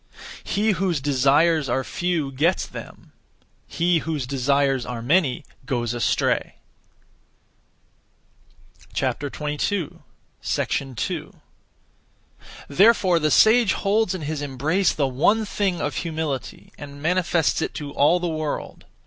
He whose (desires) are few gets them; he whose (desires) are many goes astray. 2. Therefore the sage holds in his embrace the one thing (of humility), and manifests it to all the world.